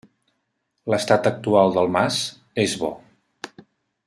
L’estat actual del mas, és bo.